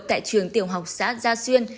tại trường tiểu học xã gia xuyên